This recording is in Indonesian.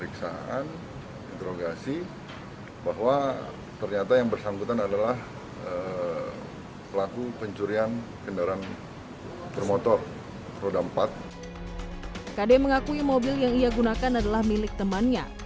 kk mengakui mobil yang ia gunakan adalah milik temannya